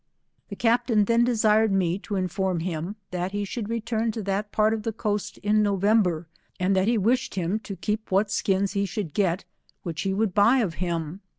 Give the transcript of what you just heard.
The captain then desired me to inform him that he should return to that part of the coast in Novem ber, and that he wished him to keep what skins he should get, which he would buy of him.